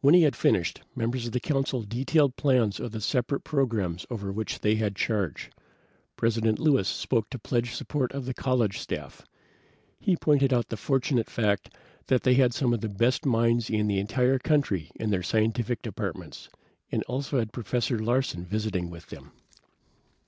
When he had finished, members of the Council detailed plans of the separate programs over which they had charge. President Lewis spoke to pledge support of the college staff. He pointed out the fortunate fact that they had some of the best minds in the entire country in their scientific departments, and also had Professor Larsen visiting with them.